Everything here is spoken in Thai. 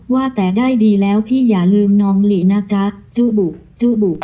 ว่าแต่ได้ดีแล้วพี่อย่าลืมน้องหลินะจ๊ะจุบุจุบุ